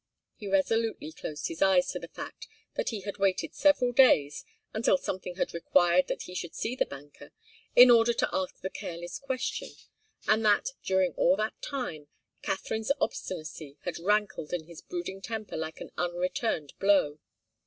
He resolutely closed his eyes to the fact that he had waited several days, until something had required that he should see the banker, in order to ask the careless question, and that, during all that time, Katharine's obstinacy had rankled in his brooding temper like an unreturned blow.